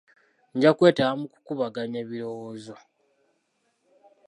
Nja kwetaba mu kukubaganya ebirowoozo.